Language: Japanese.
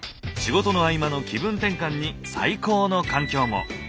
仕事の合間の気分転換に最高の環境も。